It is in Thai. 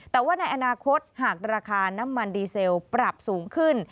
แต่ว่าในอนาคตหากราคาน้ำมันดีเซลปรับสูงขึ้น